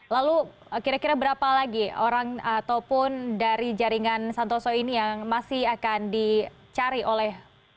lalu kira kira berapa lagi orang ataupun dari jaringan santoso ini yang masih akan dicari oleh